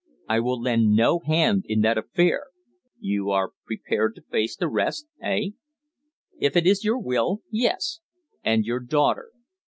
I will lend no hand in that affair." "You are prepared to face arrest eh?" "If it is your will yes." "And your daughter?"